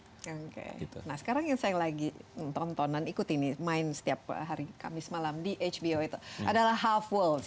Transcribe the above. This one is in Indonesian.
oke nah sekarang yang saya lagi tonton dan ikuti nih main setiap hari kamis malam di hbo itu adalah half world